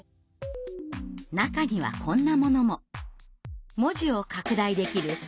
中にはこんなものも。